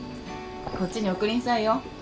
こっちに送りんさいよ。